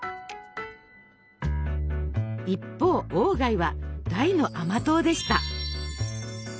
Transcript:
一方鴎外は大の甘党でした。